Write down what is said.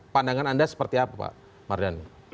pandangan anda seperti apa pak mardhani